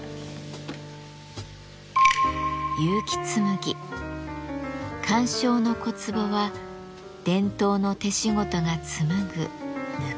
結城紬鑑賞の小壺は伝統の手仕事が紡ぐぬくもり。